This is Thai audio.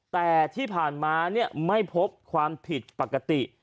แต่ที่ผ่านมาไม่พบความผิดปกติ